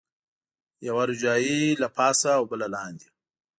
یوه روجایۍ له پاسه او بله لاندې.